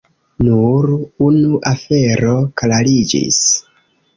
Nur unu afero klariĝis.